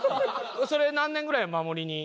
それ何年ぐらい守りに？